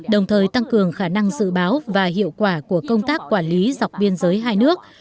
đồng thời tăng cường khả năng dự báo và hiệu quả của công tác quản lý dọc biên giới hai nước